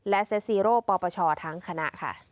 และเซสซีโรปปชทั้งคณะ